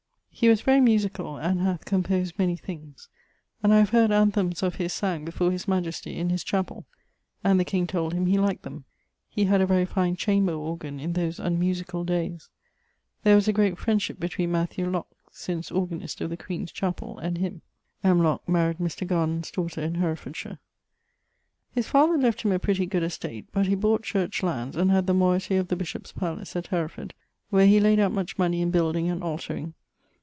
He was very musicall, and hath composed many things, and I have heard anthemes of his sang before his majestie, in his chapell, and the king told him he liked them. He had a very fine chamber organ in those unmusicall dayes. There was a great friendship between Matthew Lock, since organist of the Queen's chapell, and him[LXXXIX.]. [LXXXIX.] M. Lock maryed Mr. Garnon's daughter, in Herefordshire. His father left him a pretty good estate, but he bought church lands and had the moeity of the bishop's palace, at Hereford, where he layd out much money in building and altering.